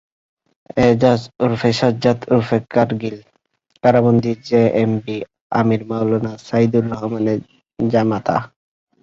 এজাজ ওরফে সাজ্জাদ ওরফে কারগিল কারাবন্দি জেএমবির আমির মাওলানা সাঈদুর রহমানের জামাতা।